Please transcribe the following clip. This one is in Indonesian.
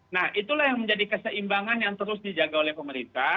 nah itulah yang menjadi keseimbangan yang terus dijaga oleh pemerintah